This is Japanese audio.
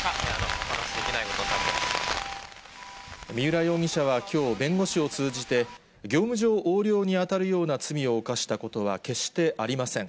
お話しできないことになって三浦容疑者はきょう、弁護士を通じて、業務上横領に当たるような罪を犯したことは決してありません。